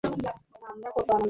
কতটুকু শুনেছ তুমি?